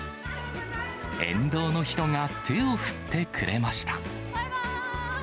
沿道の人が手を振ってくれました。